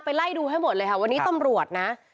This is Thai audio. ไล่ดูให้หมดเลยค่ะวันนี้ตำรวจนะ